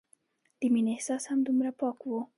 د مينې احساس هم دومره پاک وو